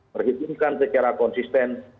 menghidupkan secara konsisten